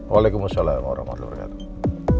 waalaikumsalam warahmatullahi wabarakatuh